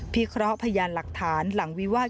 เคราะห์พยานหลักฐานหลังวิวาส